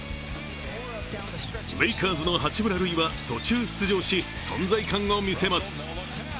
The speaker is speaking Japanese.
レイカーズの八村塁は途中出場し存在感を見せます。